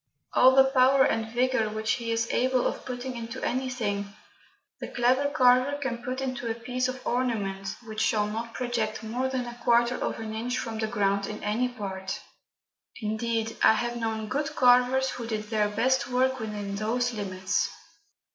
All the power and vigour which he is capable of putting into anything, the clever carver can put into a piece of ornament which shall not project more than a quarter of an inch from the ground in any part. Indeed, I have known good carvers who did their best work within those limits.